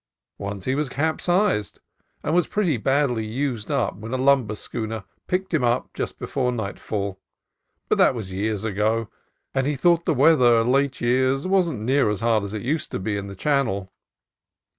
Once he was capsized, and was pretty badly used up when a lumber schooner picked him up just before nightfall; but that was years ago, and he thought the weather late years was n't near as hard as it used to be, in the Channel.